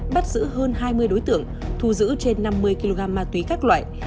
bắt giữ hơn hai mươi đối tượng thu giữ trên năm mươi kg ma túy các loại